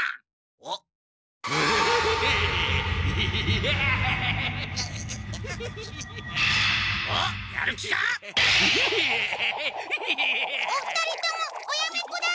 お二人ともおやめください！